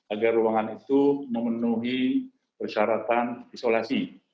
agar ruangan itu memenuhi persyaratan isolasi